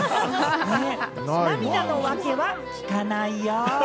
涙の訳は聞かないよ。